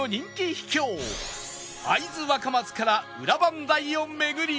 秘境会津若松から裏磐梯を巡り